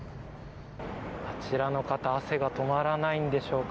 あちらの方汗が止まらないんでしょうか